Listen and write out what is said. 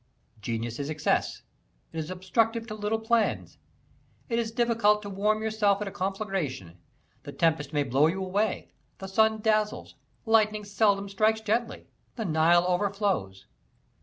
Genius is excess: it is obstructive to little plans. It is difficult to warm yourself at a conflagration; the tempest may blow you away; the sun dazzles; lightning seldom strikes gently; the Nile overflows.